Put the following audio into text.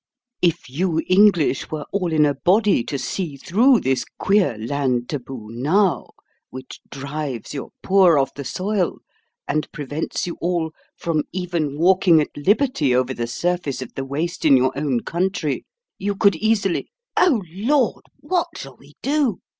If you English were all in a body to see through this queer land taboo, now, which drives your poor off the soil, and prevents you all from even walking at liberty over the surface of the waste in your own country, you could easily " "Oh, Lord, what shall we do!"